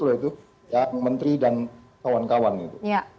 yaitu menteri dan kawan kawan gitu